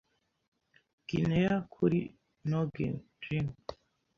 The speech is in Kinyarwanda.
Gineya kuri noggin, Jim. ”